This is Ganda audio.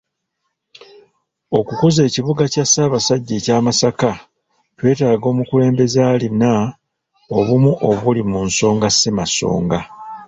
Okukuza ekibuga kya Ssaabasajja ekya Masaka twetaaga omukulembeze alina obumu obuli mu nsonga ssemasonga.